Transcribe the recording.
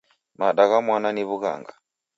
Mada gha mwana ni w'ughanga.